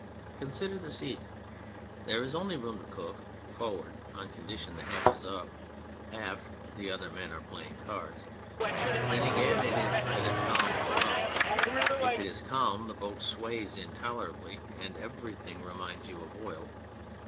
Consider the sea. There is only room to cook forward on condition the hatch is up ; aft, the other men are playing cards. Then again, it is either calm or rough. If it is calm the boat sways intolerably and everything reminds you of oil.